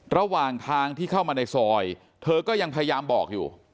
ระหว่างทางที่เข้ามาในซอยเธอก็ยังพยายามบอกอยู่